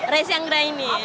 resi anggra ini